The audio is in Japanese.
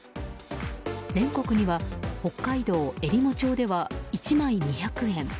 全国には、北海道えりも町では１枚２００円。